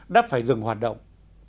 đã phải dừng hoạt động